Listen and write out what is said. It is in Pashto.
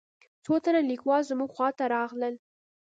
څو تنه كليوال زموږ خوا ته راغلل.